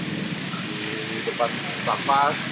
tapi tawang ini putaran putaran lama ya